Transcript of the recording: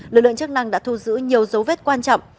lực lượng chức năng đã thu giữ nhiều dấu vết quan trọng